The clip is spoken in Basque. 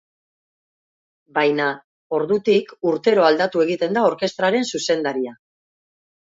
Baina, ordutik, urtero aldatu egiten da orkestraren zuzendaria.